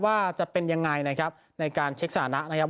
ว่าจะเป็นยังไงนะครับในการเช็คสถานะนะครับ